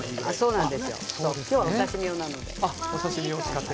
今日はお刺身用なので。